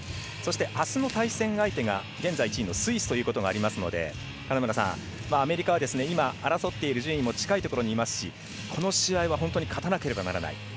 そして、あすの対戦相手が現在１位のスイスということもありますのでアメリカは争っている順位も近いところにいますしこの試合は本当に勝たなければいけない